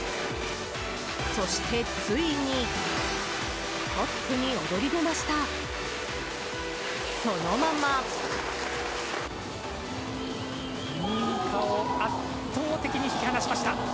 そしてついにトップに躍り出ました。